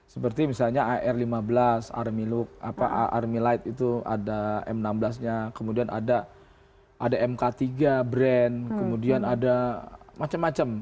seperti misalnya ar lima belas a army light itu ada m enam belas nya kemudian ada mk tiga brand kemudian ada macam macam